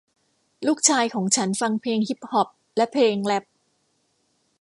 ลูกชายของฉันฟังเพลงฮิพฮอพและเพลงแรพ